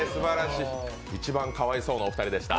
いちばんかわいそうなお二人でした。